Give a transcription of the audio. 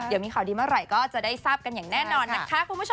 เดี๋ยวมีข่าวดีเมื่อไหร่ก็จะได้ทราบกันอย่างแน่นอนนะคะคุณผู้ชม